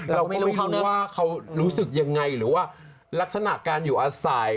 เราก็ไม่รู้ว่าเขารู้สึกยังไงหรือว่าลักษณะการอยู่อาศัย